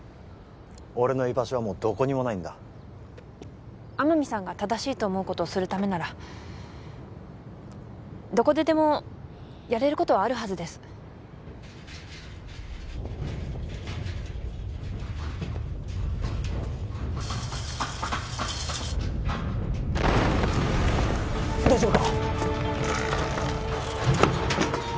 俺の居場所はもうどこにもないんだ天海さんが正しいと思うことをするためならどこででもやれることはあるはずです大丈夫か？